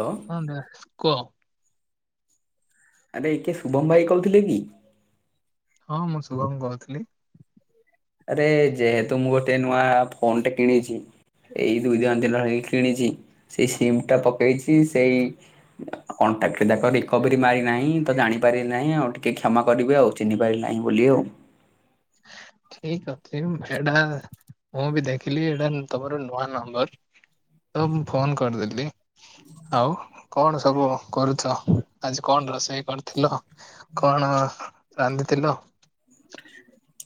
Hello. Sandhya, କୁହ। ଆରେ କିଏ ଶୁଭମ ଭାଇ କହୁଥିଲେ କି? ହଁ ମୁଁ ଶୁଭମ କହୁଥିଲି। ଆରେ ଯେହେତୁ ମୁଁ ଗୋଟେ ନୂଆ ଫୋନଟେ କିଣିଛି ଏଇ ଦୁଇ ଦିନ ହେଇ କିଣିଛି ସେଇ ସିମ୍ ଟା ପକେଇଛି ସେଇ କଣ୍ଟାକ୍ଟ ଯାକ ରିକୋଭରି ମାରିନାହିଁ ତ ଜାଣିପାରିଲି ନାହିଁ। ଆଉ ଟିକେ କ୍ଷମା କରିବେ ଆଉ। ଚିହ୍ନି ପାଇଲିନାହିଁ ବୋଲି ଆଉ। ଠିକ ଅଛି ଏଇଟା ମୁଁ ବି ଦେଖିଲି ଏଇଟା ତମର ନୂଆ ନମ୍ବର ତ ମୁଁ ଫୋନ କରିଦେଲି ଆଉ କଣ ସବୁ କରୁଛ ଆଜି କଣ ରୋଷେଇ କରିଥିଲ? କଣ ରାନ୍ଧିଥିଲ?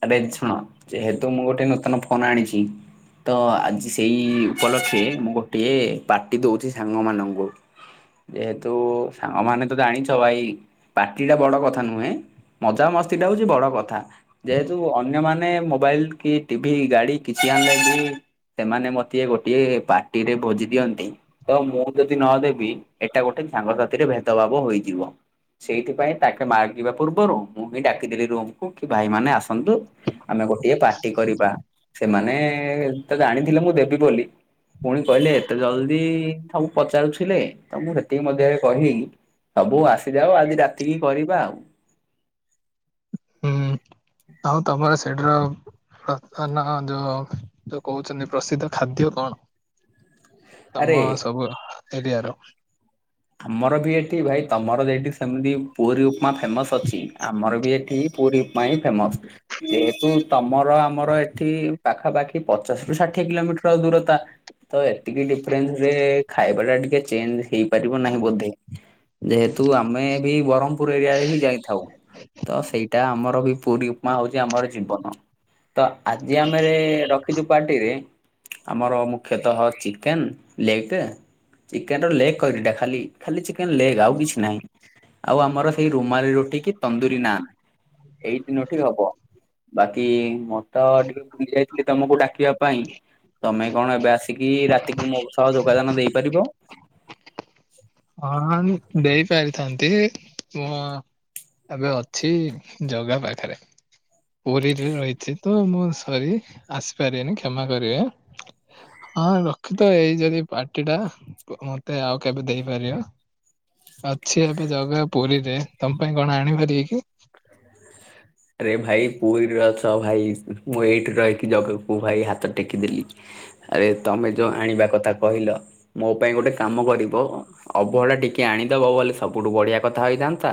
ଆରେ ଶୁଣ ଯେହେତୁ ମୁଁ ଗୋଟେ ନୂତନ ଫୋନ ଆଣିଛି। ତ ଆଜି ସେଇ ଉପଲକ୍ଷେ ମୁଁ ଗୋଟିଏ ପାର୍ଟି ଦୋଉଛି ସାଙ୍ଗ ମାନଙ୍କୁ। ଯେହେତୁ ସାଙ୍ଗମାନେ ତ ଜାଣିଛ ଭାଇ ପାର୍ଟି ଟା ବଡ କଥା ନୁହେଁ ମଜାମସ୍ତିଟା ହୋଉଛି ବଡ଼ କଥା। ଯେହେତୁ ଅନ୍ୟମାନେ ମୋବାଇଲ କି ଟିଭି ଗାଡି କିଛି ଆଣିଲେ ବି ସେମାନେ ମତିଏ ଗୋଟିଏ ପାର୍ଟି ରେ ଭୋଜି ଦିଅନ୍ତି ତ ମୁଁ ଯଦି ନଦେବି ଏଇଟା ଗୋଟେ ସାଙ୍ଗସାଥିରେ ଭେଦଭାବ ହୋଇଯିବ। ସେଇଥିପାଇଁ ତାକେ ମାଗିବା ପୂର୍ବରୁ ମୁଁ ହିଁ ଡାକିଦେଲି ରୁମକୁ ଭାଇ ମାନେ ଆସନ୍ତୁ ଆମେ ଗୋଟିଏ ପାର୍ଟି କରିବା। ସେମାନେ ତ ଜାଣିଥିଲେ ମୁଁ ଦେବି ବୋଲି ପୁଣି କହିଲେ ଏତେ ଜଲଦି ସବୁ ପଚାରୁଥିଲେ ତ ମୁଁ ସେତିକି ମଧ୍ୟରେ କହିବି ସବୁ ଆସିଯାଉ ଆଜି ରାତିକି କରିବା ଆଉ। ହୁଁ ଆଉ ତମର ସେଠିର ଫା ଫା ନା ଯୋଉ ଯୋଉ କହୁଛନ୍ତି ପ୍ରସିଦ୍ଧ ଖାଦ୍ୟ କଣ? ଆରେ ତମ ସବୁ ଏରିଆର? ଆମର ବି ଏଠି ଭାଇ ତମର ଯେଠି ସେମିତି ପୁରୀ ଉପମା ଫେମସ ଅଛି ଆମର ବି ଏଠି ପୁରୀ ପାଇଁ ଫେମସ ଯେହେତୁ ତମର ଆମର ଏଠି ପାଖାପାଖି ପଚାଶ ରୁ ଷାଠିଏ କିଲୋମିଟର ଦୂରତା ତ ଏତିକି ଡିଫରେନ୍ସ ରେ ଖାଇବା କହିଲା ଟିକେ ଚେଞ୍ଜ ହେଇପାରିବ ନାହିଁ ବୋଧେ ଯେହେତୁ ଆମେ ବି ବ୍ରହ୍ମପୁର ଏରିଆରେ ହିଁ ଯାଇଥାଉ ତ ସେଇଟା ଆମର ବି ପୁରୀ ମା ହଉଛି ଆମର ଜୀବନ ତ ଆଜି ଆମେ ରଖିଛୁ ପାର୍ଟିରେ ଆମର ମୁଖ୍ୟତଃ ଚିକେନ ଲେଗ୍ ଟା ଚିକେନ ର ଲେଗ୍ ଖଇଲିଟା ଖାଲି ଖାଲି ଚିକେନ ଲେଗ ଆଉ କିଛି ନାହିଁ। ଆଉ ଆମର ସେଇ ରୁମାଲ ରୁଟିକି ତନ୍ଦୁରୀ ନାନ ଏଇ ତିନୋଟି ହବ। ବାକି ମୋର ତ ଟିକେ ଭୁଲି ଯାଇଥିଲି ତମକୁ ଡାକିବା ପାଇଁ ତମେ କଣ ଏବେ ଆସିକି ରାତିକି ମୋ ସହ ଯୋଗଦାନ ଦେଇପାରିବ? ହଁ ଦେଇ ପାରିଥାନ୍ତି ମୁ ଏବେ ଅଛି ଜଗା ପାଖରେ ପୁରୀରେ ରହିଛି ତ ମୁଁ ସରି ଆସିପାରିବିନି କ୍ଷମା କରିବେ। ହଁ ରଖିଥା ଏଇ ଯଦି ପାର୍ଟି ଟା ମତେ ଆଉ କେବେ ଦେଇ ପାରିବ। ଅଛି ଏବେ ଜଗା ପୁରୀରେ ତମ ପାଇଁ କଣ ଆଣିପାରିବି କି? ରେ ଭାଇ ପୁରୀରେ ଅଛ ଭାଇ ମୁଁ ଏଇଠି ରହିକି ଜଗା କୁ ଭାଇ ହାତ ଟେକିଦେଲି। ଆରେ ତମେ ଯୋଉ ଆଣିବା କଥା କହିଲ ମୋ ପାଇଁ ଗୋଟେ କାମ କରିବ ଅଭଡ଼ା ଟିକେ ଆଣିଦବ ବଲେ ସବୁଠୁ ବଢିଆ କଥା ହେଇଥାନ୍ତା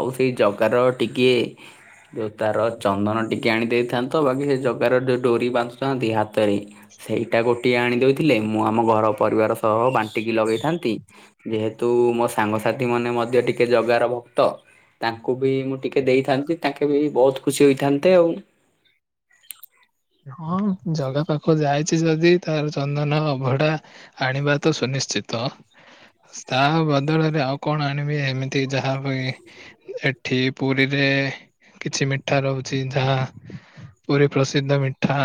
ଆଉ ସେଇ ଜଗାର ଟିକିଏ ଯୋଉ ତାର ଚନ୍ଦନ ଟିକେ ଆଣି ଦେଇଥାନ୍ତ ବାକି ସେ ଜଗାର ଯୋଉ ଡୋରି ବାନ୍ଧୁଥାନ୍ତି ହାତରେ ସେଇଟା ଗୋଟିଏ ଆଣିଦଉଥିଲେ ମୁଁ ଆମ ଘର ପରିବାର ସହ ବାଣ୍ଟିକି ଲଗେଇଥାନ୍ତି ଯେହେତୁ ମୋ ସାଙ୍ଗସାଥି ମାନେ ମଧ୍ୟ ଟିକେ ଜଗାର ଭକ୍ତ ତାଙ୍କୁ ବି ମୁଁ ଟିକେ ଦେଇଥାନ୍ତି ତାଙ୍କେ ବି ବହୁତ ଖୁସି ହୋଇଥାନ୍ତେ ଆଉ। ହଁ ଜଗା ପାଖ ଯାଇଛି ଯଦି ତାର ଚନ୍ଦନ ଅଭଡା ଆଣିିବା ତ ସୁନିଶ୍ଚିତ। ତା ବଦଳରେ ଆଉ କଣ ଆଣିବି ଏମିତି ଯାହା ପାଇଁ ଏଠି ପୁରୀରେ କିଛି ମିଠା ରହୁଚି ଯାହା ପୁରୀ ପ୍ରସିଦ୍ଧ ମିଠା।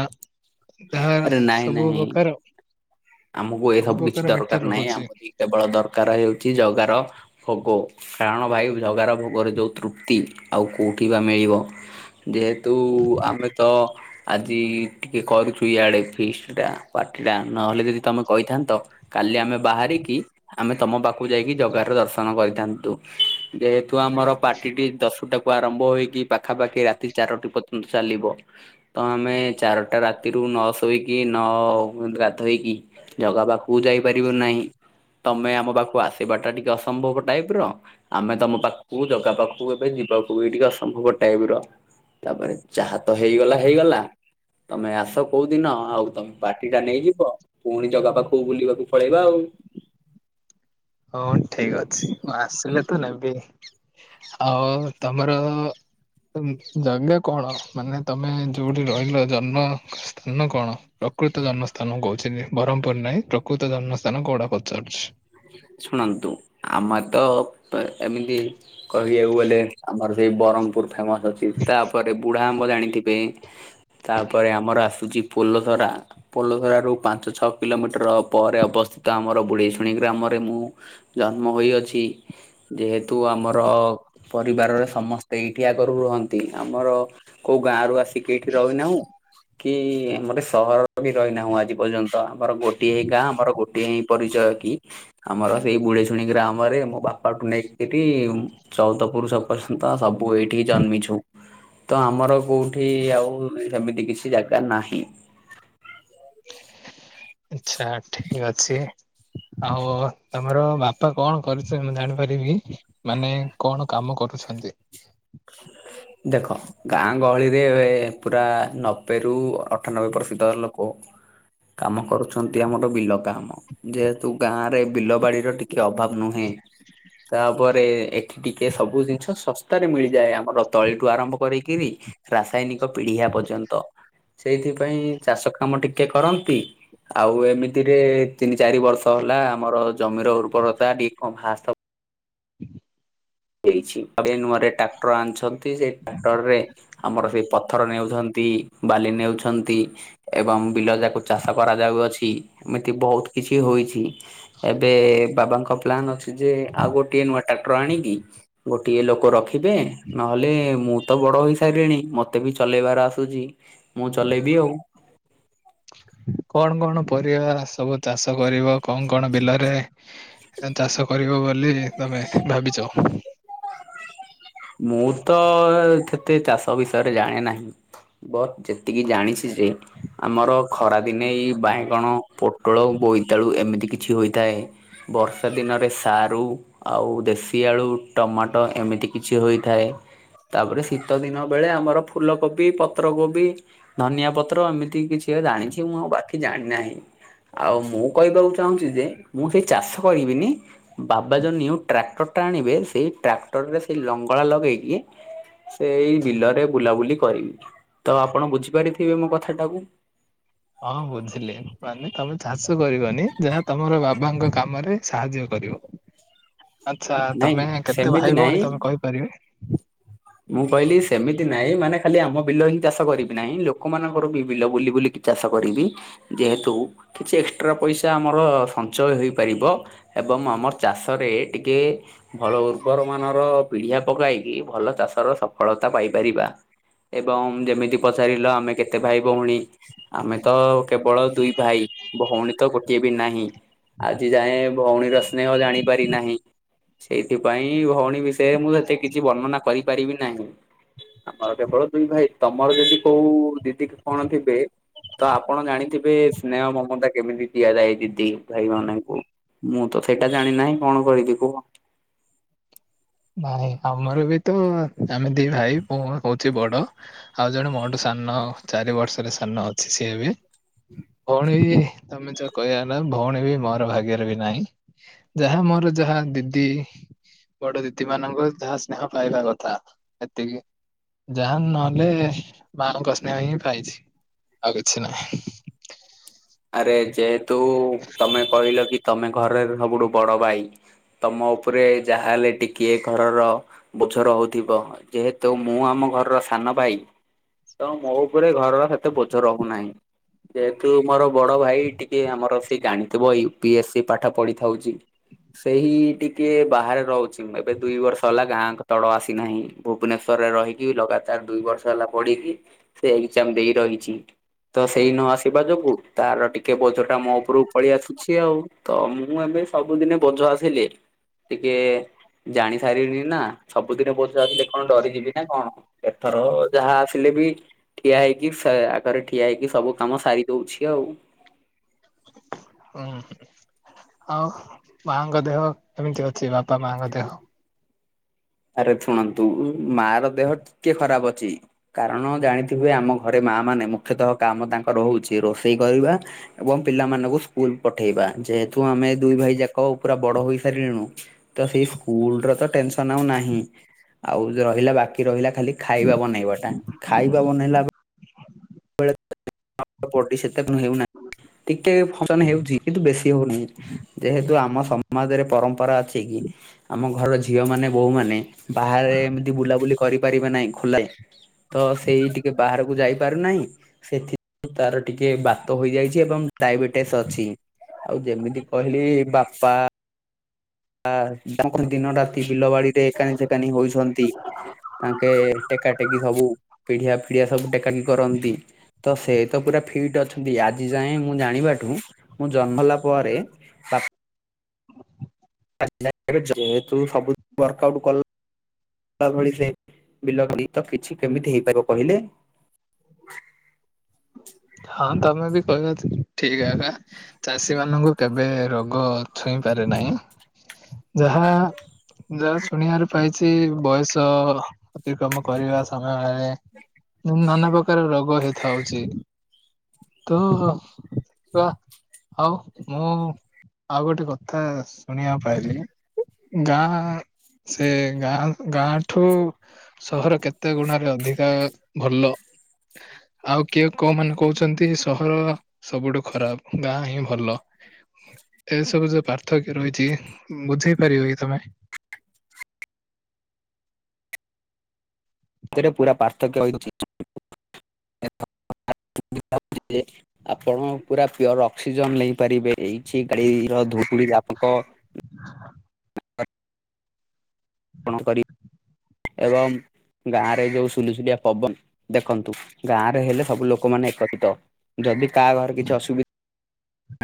ଯାହା ଆରେ ନାଇଁ ସବୁ ନାଇଁ ପ୍ରକାର ଆମକୁ ଏ ସବୁ କିଛି ପ୍ରକାର ମିଠା ଦରକାର ନାହିଁ ରହୁଚି। ଆମକୁ କେବଳ ଦରକାର ହେଉଚି ଜଗାର ଭୋଗ କାରଣ ଭାଇ ଜଗାର ଭୋଗରେ ଯୋଉ ତୃପ୍ତି ଆଉ କୋଉଠି ବା ମିଳିବ? ଯେହେତୁ ଆମେ ତ ଆଜି ଟିକେ କରୁଛୁ ଇଆଡ଼େ ଫିଷ୍ଟଟା ପାର୍ଟିଟା ନହେଲେ ଯଦି ତମେ କହିଥାନ୍ତ କାଲି ଆମେ ବାହାରିକି ଆମେ ତମ ପାଖକୁ ଯାଇକି ଜଗା ର ଦର୍ଶନ କରିଥାନ୍ତୁ। ଯେହେତୁ ଆମର ପାର୍ଟିଟି ଦଶୁଟାକୁ ଆରମ୍ଭ ହୋଇକି ପାଖାପାଖି ରାତି ଚାରୋଟି ପ ଚାଲିବ ତ ଆମେ ଚାରୋଟା ରା ତିରୁ ନ ଶୋଇକି ନ ଗାଧୋଇକି ଜଗା ପାଖକୁ ଯାଇପାରିବୁ ନାହିଁ। ତମେ ଆମ ପାଖକୁ ଆସିବା ଟା ଟିକେ ଅସମ୍ଭବ ଟାଇପ ର। ଆମେ ତମ ପାଖକୁ ଜଗା ପାଖକୁ ଏବେ ଯିବାକୁ ବି ଟିକେ ଅସମ୍ଭବ ଟାଇପ ର। ତାପରେ ଯାହା ତ ହେଇଗଲା ହେଇଗଲା ତମେ ଆସ ତ କୋଉ ଦିନ ଆଉ ତମେ ପାଟି ଟା ନେଇଯିବ ପୁଣି ଜଗା ପାଖୁକୁ ବୁଲିବାକୁ ପଳେଇବା ଆଉ। ହଁ ଠିକ ଅଛି ମୁଁ ଆସିଲେ ତ ନେବିନି ଆଉ ତମର ଜାଗା କଣ ମାନେ ତମେ ଯୋଉଠି ରହିଲ ଜନ୍ମ ସ୍ଥାନ କଣ? ପ୍ରକୃତ ଜନ୍ମସ୍ଥାନ କହୁଛନ୍ତି ବରମପୁର ନାଇଁ ପ୍ରକୃତ ଜନ୍ମସ୍ଥାନ କୋଉଟା ପଚାରୁଚି? ଶୁଣନ୍ତୁ ଆମେ ତ ଏମିତି କହିବାକୁ ଗଲେ ଆମର ସେଇ ବରମପୁର ଫେମସ ଅଛି ତାପରେ ବୁଢା ଆମ୍ବ ଜାଣିଥିବେ ତାପରେ ଆମର ଆସୁଚି ପୋଲ ଧରା। ପୋଲଧରା ରୁ ପାଞ୍ଚ ଛଅ କିଲୋମିଟର ପରେ ଅବସ୍ଥିତ ଆମର ବୁଢେଇ ଶୁଣି ବି ଗ୍ରାମରେ ମୁଁ ଜନ୍ମ ହୋଇଅଛି ଯେହେତୁ ଆମର ପରିବାରର ସମସ୍ତେ ଏଇଠି ଆଗ ରୁହନ୍ତି ଆମର କୋଉ ଗାଁ ରୁ ଆସି ଟିକେ ଏଠି ରହିନାହୁଁ। କି [unintelligible] ସହର ବି ରହିନାହୁଁ ଆଜି ପର୍ଯ୍ୟନ୍ତ ଆମର ଗୋଟିଏ ହିଁ ଗାଁ ଆମର ଗୋଟିଏ ହିଁ ପରିଚୟ କି? ଆମର ସେଇ ବୁଢେ ଶୁଣି ଗ୍ରାମରେ ମୋ ବାପାଠୁ ନେଇକିରି ଚଉଦ ପୁରୁଷ [unintelligible] ସବୁ ଏଇଠିକି ଜନ୍ମିଛୁ। ତ ଆମର କୋଉଠି ଆଉ ସେମିତି କିଛି ଜାଗା ନାହିଁ। ଆଚ୍ଛା ଠିକ୍ ଅଛି। ଆଉ ତମର ବାପା କଣ କରୁଚ ମୁଁ ଜାଣିପାରିବି? ମାନେ କଣ କାମ କରୁଛନ୍ତି? ଦେଖ ଗାଁ ଗହଳିରେ ପୁରା ନବେ ରୁ ଅଠାନବେ ପ୍ରଶିତ ଲୋକ। କାମ କରୁଛନ୍ତି ଆମର ବିଲ। କାମ ଯେହେତୁ ଗାଁ ରେ ବିଲ ବାଡିର ଟିକେ ଅଭାବ ନୁହେଁ। ତାପରେ ଏ ଟିକେ ସବୁ ଜିନିଷ ଶସ୍ତାରେ ମିଳିଯାଏ ଆମର ତଳିଠୁ ଆରମ୍ଭ କରିକିରି। ରାସାୟିନିକ ପିଡିଆ ପର୍ଯ୍ୟନ୍ତ ସେଇଥିପାଇଁ ଚାଷ କାମ ଟିକେ କରନ୍ତି। ଆଉ ଏମିତିରେ ତିନି ଚାରି ବର୍ଷ ହେଲା ଆମର ଜମିର ଉର୍ବରତା [unintelligible] ହ ହେଇଛି [unintelligible] ନୂଆରେଟ ଟା ଟ୍ର ଆଣିଛନ୍ତି ସେଇ ଟ୍ରାକ୍ଟରରେ ଆମର ସେଇ ପଥର ନେଉଛନ୍ତି। ବାଲି ନେଉଛନ୍ତି। ଏବଂ ବିଲ ଜାକୁ ଚାଷ କରାଯାଉଅଛି ଏମିତି ବହୁତ କିଛି ହୋଇଛି। ଏବେ ବାବାଙ୍କ ପ୍ଲାନ୍ ଅଛି ଯେ ଆଉ ଗୋଟିଏ ନୂଆ ଟ୍ରାକ୍ଟର ଆଣିବି। ଗୋଟିଏ ଲୋକ ରଖିବେ ନହେଲେ ମୁଁ ତ ବଡ ହୋଇସାଇଲିଣି ମତେ ବି ଚଲେଇବାର ଆସୁଚି ମୁଁ ଚଲେଇବି ଆଉ। କଣ କଣ ପରିବା ସବୁ ଚାଷ କରିବ କଁ କଣ ବିଲରେ। ଆଁ ଚାଷ କରିବ ବୋଲି ତମେ ଭାବିଚ। ମୁଁ ତ ଥେତେ ଚାଷ ବିଷୟରେ ଜାଣେ ନାହିଁ। ବଟ୍ ଯେତିକି ଜାଣିଛି ଯେ ଆମର ଖରାଦିନେ ଏଇ ବାଇଗଣ ପୋଟୋଳୋ ବୋଇତାଳୁ ଏମିତି କିଛି ହୋଇଥାଏ। ବର୍ଷା ଦିନରେ ସାରୁ ଆଉ ଦେଶୀ ଆଳୁ ଟମାଟ ଏମିତି କିଛି ହୋଇଥାଏ। ତାପରେ ଶୀତ ଦିନ ବେଳେ ଆମର ଫୁଲକୋବି ପତ୍ରକୋବି। ଧନିଆ ପତ୍ର ଏମିତି କିଛି ଜାଣିଛି ମୁଁ ଆଉ ବାକି ଜାଣିନାହିଁ। ଆଉ ମୁଁ କହିବାକୁ ଚାହୁଁଛି ଯେ ମୁଁ ସେଇ ଚାଷ କରିବିନି। ବାବା ଯୋଉ ନିଉ ଟ୍ରାକ୍ଟର ଟା ଆଣିବେ ସେଇ ଟ୍ରାକ୍ଟରରେ ସେଇ ଲଙ୍ଗଳା ଲଗେଇକି। ସେଇ ବିଲରେ ବୁଲାବୁଲି କରିବି ତ ଆପଣ ବୁଝିପାରିଥିବେ ମୋ କଥା ଟାକୁ। ହଁ ବୁଝିଲି ମାନେ ତମେ ଚାଷ କରିବନି ଯାହା ତମର ବାବାଙ୍କ କାମରେ ସାହାଯ୍ୟ କରିବ। ଆଚ୍ଛା ନାଇଁ ତମେ କେତେ ସେମିତି ଭାଇ ଭୋଉଣୀ ନାଇଁ ତମେ କହିପାରିବେ। ମୁଁ କହିଲି ସେମିତି ନାଇଁ ମାନେ ଖାଲି ଆମ ବିଲ ହିଁ ଚାଷ କରିବି ନାହିଁ ଲୋକୋ ମାନଙ୍କର ବି ବିଲ ବୁଲି ବୁଲି କି ଚାଷ କରିବି ଯେହେତୁ କିଛି ଏକ୍ସଟ୍ରା ପଇସା ଆମର ସଞ୍ଚୟ ହେଇପାରିବ। ଏବଂ ଆମର ଚାଷରେ ଟିକେ ଭଲ ଉର୍ବର ମାନର ପିଢଆ ପକାଇକି ଭଲ ଚାଷର ସଫଳତା ପାଇପାରିବା। ଏବଂ ଯେମିତି ପଚାରିଲ ଆମେ କେତେ ଭାଇ ଭୋଉଣୀ। ଆମେ ତ କେବଳ ଦୁଇ ଭାଇ ଭୋଉଣୀ ତ ଗୋଟିଏ ବି ନାହିଁ। ଆଜି ଯାଏଁ ଭୋଉଣୀର ସ୍ନେହ ଜାଣିପାରି ନାହିଁ ସେଇଥିପାଇଁ ଭୋଉଣୀ ବି ସେ ମୁଁ ସେତେ କିଛି ବର୍ଣ୍ଣନା କରିପାରିବି ନାହିଁ। ଆମର କେବଳ ଦୁଇ ଭାଇ ତମର ଯଦି କୋଉ ଦିଦି କି କଣ ଥିବେ। ତ ଆପଣ ଜାଣିଥିବେ ସ୍ନେହ ମମତା କେମିତି ଦିଆଯାଇ ଦିଦି ଭାଇ ମାନେଙ୍କୁ। ମୁଁ ତ ସେଇଟା ଜାଣି ନାହିଁ କଣ କରିବି କୁହ। ନାଇଁ ଆମର ବି ତ ଆମେ ଦି ଭାଇ [unintelligible] ହୋଉଛି ବଡ। ଆଉ ଜଣେ ମୋଠୁ ସାନ ଚାରି ବର୍ଷରେ ସାନ ଅଛି ସିଏ ବି। ଭୋଉଣୀ ବି ତମେ ଚ କହିବା ନା ଭୋଉଣୀ ବି ମୋରୋ ଭାଗ୍ୟରେ ବି ନାଇଁ। ଯାହା ମୋରୋ ଯାହା ଦିଦି ବଡ ଦି ଦି ମାନଙ୍କୁ ଯାହା ସ୍ନେହ ପାଇବା କଥା ଏତିକି। ଯାହାନ୍ ନହେଲେ ମାଙ୍କ ସ୍ନେହ ହିଁ ପାଇଛି ଆଉ କିଛି ନାହିଁ। ଆରେ ଯେହେତୁ ତମେ କହିଲ କି ତମେ ଘରେରେ ସବୁଠୁ ବଡ ଭାଇ। ତମ ଓପୋରେ ଯାହା ହେଲେ ଟିକିଏ ଘରର ବୋଝୋ ରହୁଥିବ ଯେହେତୁ ମୁଁ ଆମ ଘରର ସାନ ଭାଇ। ତେଣୁ ମୋ ଉପରେ ଘରର ସେତେ ବୋଝ ରହୁନାହିଁ ଯେହେତୁ ମୋରୋ ବଡ ଭାଇ ଟିକେ ଆମର ସିଏ ଜାଣିଥିବ ୟୁ ପି ଏସ୍ ସି ପାଠ ପଢିଥାଉଚି। ସେହି ଟିକିଏ ବାହାରେ ରହୁଛି ମୁଁ ଏବେ ଦୁଇ ବର୍ଷ ହେଲା ଗାଁ ତଳ ଆସିନାହିଁ। ଭୁବନେଶ୍ୱରରେ ରହିକି ଲଗାତାର ଦୁଇ ବର୍ଷ ହେଲା ପଢିକି ସେ ଏକ୍ସାମ୍ ଦେଇ ରହିଛି। ତ ସେଇ ନ ଆସିବା ଯୋଗୁ ତାର ଟିକେ ବୋଝୋଟା ମୋ ଉପୁରୁକୁ ପଳେଇ ଆସୁଛି ଆଉ। ତ ମୁଁ ଏବେ ସବୁଦିନି ବୋଝୋ ଆସିଲି ଟିକିଏ ଜାଣିସାରିଲିଣି ନା ସବୁଦିନେ ବୋଝୋ ଆଲେ କଣ ଡରିଯିବି ନା କଣ। ଏଥର ଯାହା ଆସିଲେ ବି ଠିଆ ହେଇକି ସେ ଆଗରେ ଠିଆ ହେଇକି ସବୁ କାମ ସାରିଦୋଉଛି। [unintelligible] ହୁଁ ଆଉ ମାଆଙ୍କ ଦେହ କେମିତି ଅଛି ବାପା ମାଆଙ୍କ ଦେହ। ଆରେ ଶୁଣନ୍ତୁ ମାର ଦେହ ଟିକେ ଖରାବ୍ ଅଛି। କାରଣ ଜାଣିଥିବେ ଆମ ଘରେ ମାଆ ମାନେ ମୁଖ୍ୟତଃ କାମ ତାଙ୍କର ହୋଉଛି ରୋଷେଇ କରିବା। ଏବଂ ପିଲାମାନଙ୍କୁ ସ୍କୁଲ ପଠେଇବା ଯେହେତୁ ଆମେ ଦୁଇ ଭାଇ ଯାକ ପୁରା ବଡ ହୋଇ ସାରିଲିଣୁ। ତ ସେଇ ସ୍କୁଲର ତ ଟେନସନ୍ ଆଉ ନାହିଁ। ହୁଁ ଆଉ ରହିଲା ବାକି ରହିଲା ଖାଲି ଖାଇବା ବନେଇବା ଟା ଖାଇବା ବନେଇଲା [unintelligible] କଣ ହେଉନା ଟିକେ [unintelligible] ହେଉଛି କିନ୍ତୁ ବେଶୀ ହୋଉନାହିଁ ଯେହେତୁ ଆମ ସମ ସମାଜରେ ପରମ୍ପରା ଅଛି କି ଆମ ଘରର ଝିଅ ମାନେ ବୋହୁ ମାନେ ବାହାରେ ଏମିତି ବୁଲାବୁଲି କ୍ କରିପାରିବେ ନାହିଁ ଖୋଲାଇ ତ ସେଇ ଟିକେ ବାହାରକୁ ଯାଇପାରୁନାହିଁ। ସେଥି ପାଇଁ ତାର ଟିକେ ବାତ ହୋଇଯାଇଛି ଏବଂ ଡାଇବେଟିସ୍ ଅଛି ଆଉ ଯେମିତି କହିଲି ବାପା ଆ [unintelligible] ଦିନ ରାତି ବିଲ ବାଡ଼ିରେ ଏକାନି ସେକାନି ହୋଇଛନ୍ତି। ତାଙ୍କେ ଟେକା ଟେକି ସବୁ ପିଢ଼ିଆ ପିଡ଼ିଆ ସବୁ ଟେକା ଟେକି କରନ୍ତି। ତ ସେ ତ ପୁରା ଫିଟ୍ ଅଛନ୍ତି ଆଜି ଯାଏଁ ମୁଁ ଜାଣିବାଠୁ ମୁଁ ଜନ୍ମ ହେଲା ପରେ ହୁଁ [inaudible] ଆଜ୍ଞା ଜଃ ଯେହେତୁ ସବୁ ୱାର୍କ ଆଉଟ୍ କଲ୍ ଲା ଭଳି ସେ ବିଲ [inaudible] ତ କିଛି କେମିତି ହେଇପାରିବ କହିଲେ? ହଁ ତମେ ବି କହିବା ଠିକ୍ ହେଲା। ଚାଷୀ ମାନଙ୍କୁ କେବେ ରୋଗ ଛୁଇଁ ପାରେ ନାହିଁ। ଯାହା ଯାହା ଶୁଣିବାରୁ ପାଇଛି ବୟସ ଅତିକ୍ରମ କରିବା ସମୟରେ ନନା ପ୍ରକାର ରୋଗ ହିଁ ଖାଉଛି। ତେଣୁ ର [unintelligible] ହ। ମୁଁ ଆଉ ଗୋଟେ କଥା ଶୁଣିବାକୁ ପାଇଲି ଗାଁ ସେ ଗାଁ ଗାଁ ଠୁ ସହର କେତେ ଗୁଣରେ ଅଧିକା ଭଲ ଆଉ କିଏ କମାନେ କହୁଛନ୍ତି ସହର ସବୁଠୁ ଖରାପ୍ ଗାଁ ହିଁ ଭଲ। ଏଇସବୁ ଯୋଉ ପାର୍ଥକ୍ୟ ରହିଛି ବୁଝେଇ ପାରିବ କି ତମେ? ଥିରେ ପୁରା ପାର୍ଥକ୍ୟ ରହିଛି। [inaudible] ଆପଣ ପୁରା ପିଅର ଅକ୍ସିଜେନ୍ ନେଇପାରିବେ ଏଇଠି [unintelligible] ର ଧୁଳିରେ ଆପଣଙ୍କ [inaudible] କଣ କରି ଏବଂ ଗାଁ ରେ ଯୋଉ ସୁଲିସୁଲିଆ ପବନ ଦେଖନ୍ତୁ ଗାଁ ରେ ହେଲେ ସବୁ ଲୋକମାନେ ଏକତ୍ରିତ। ଯଦି କାହା ଘରେ କିଛି ଅସୁବି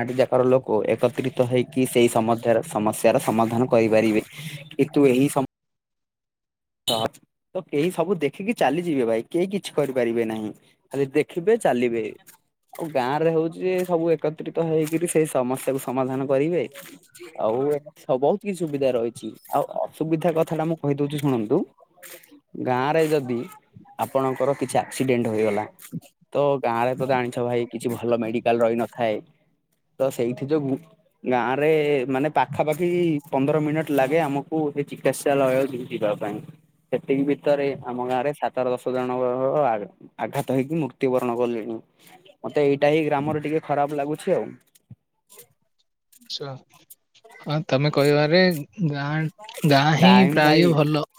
ଆଟି ଯାକର ଲୋକ ଏକତ୍ରିତ ହେଇକି ସେଇ ସମଧ୍ୟାର ସମସ୍ୟାର ସମାଧାନ କରିପାରିବେ। କିନ୍ତୁ ଏହି ସମ୍ ତଃ ତ କେହି ସବୁ ଦେଖିକି ଚାଲିଯିବେ ଭାଇ କେହି କିଛି କରିପାରିବେ ନାହିଁ। ଖାଲି ଦେଖିବେ ଚାଲିବେ। ଆଉ ଗାଁ ରେ ହଉଛି ସବୁ ଏକତ୍ରିତ ହେଇକିରି ସେଇ ସମସ୍ୟାକୁୁ ସମାଧାନ କରିବେ। ଆଉ ଏ ହ ବୋହୁତ୍ କିଛି ସୁବିଧା ରହିଛି ଆଉ ଅସୁବିଧା କଥା ଟା ମୁଁ କହିଦୋଉଛି ଶୁଣନ୍ତୁ। ଉଁ ଗାଁରେ ଯଦି ଆପଣଙ୍କର କିଛି ଆକ୍ସିଡେଣ୍ଟ ହୋଇଗଲା। ତ ଗାଁ ରେ ତ ଜାଣିଛ ଭାଇ କିଛି ଭଲ ମେଡିକାଲ୍ ରହିନଥାଏ। ତ ସେଇଥି ଯୋଗୁ ଗାଁ ରେ ମାନେ ପାଖାପାଖି ପନ୍ଦର ମିନିଟ୍ ଲାଗେ ଆମକୁ କି ଚିକିତ୍ସାଳୟ ଯି-ଯିବା ପାଇଁ। ସେତିକି ଭିତରେ ଆମ ଗାଁ ରେ ସାତରୁ ଦଶ ଜଣଙ୍କର ହବ ବାହାଘର। ଆଘାତ ହେଇକି ମୃତ୍ୟୁବରଣ କଲେଣି ମତେ ଏଇଟା ହି ଗ୍ରାମରେ ଟିକେ ଖରାପ ଲାଗୁଛି ଆଉ। ଛ ହଁ ତମେ କହିବାରେ ଗାଁ ଗାଁ ହିଁ ଟାଇମ ପ୍ରାୟ ଭାଇ ଭଲ।